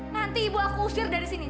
nanti ibu aku usir dari sini